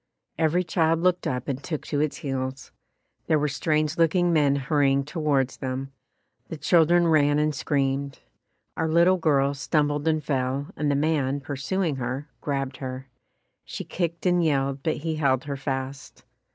Every child looked up and took to its heels. There were strange looking men hurrying towards them. The children ran and screamed. Our little girl stumbled and fell, and the man, pursuing her, grabbed her. She kicked and yelled but he held her fast.